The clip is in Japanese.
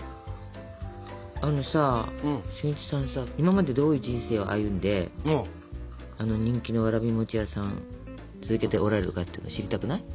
あのさ俊一さんさ今までどういう人生を歩んであの人気のわらび餅屋さん続けておられるかっていうの知りたくない？